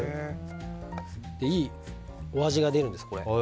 いいお味が出るんです。